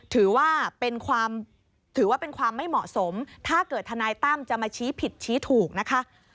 ถือว่าเป็นความไม่เหมาะสมถ้าเกิดธนายตั้มจะมาชี้ผิดชี้ถูกนะคะ